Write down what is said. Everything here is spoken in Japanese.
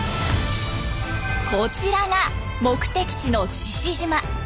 こちらが目的地の志々島。